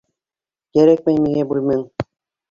Кәрәкмәй миңә бүлмәң.